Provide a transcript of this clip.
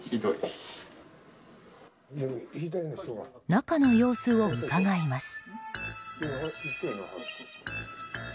中の様子をうかがいます。